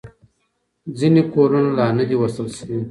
ځینې کورونه لا نه دي وصل شوي.